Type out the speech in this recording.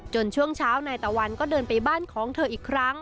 ช่วงเช้านายตะวันก็เดินไปบ้านของเธออีกครั้ง